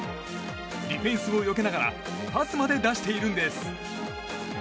ディフェンスをよけながらパスまで出しているんです。